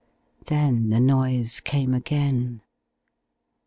Then the noise came again.